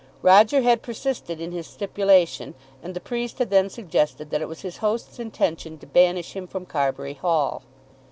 Roger had persisted in his stipulation, and the priest had then suggested that it was his host's intention to banish him from Carbury Hall.